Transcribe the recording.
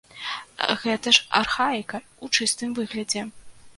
Гэта ж архаіка ў чыстым выглядзе!